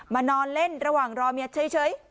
นอนเล่นระหว่างรอเมียเฉย